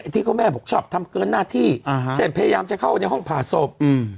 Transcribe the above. ที่แม่บอกชอบทำเกินหน้าที่เช่นพยายามจะเข้าในห้องผ่าศพ